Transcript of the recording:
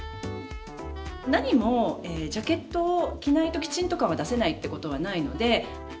なにもジャケットを着ないときちんと感は出せないってことはないので。